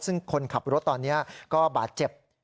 ซึ่งคนขับรถตอนนี้ก็บาดเจ็บ